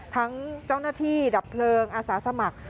ทั้งเจ้าหน้าที่ดับเพลิงอาสาสมัคร